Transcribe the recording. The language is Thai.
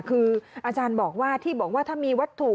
คืออาจารย์บอกว่าที่บอกว่าถ้ามีวัตถุ